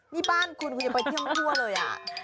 นี่บ้านคุณคุณจะไปเที่ยวมาทั่วเลยอ่ะ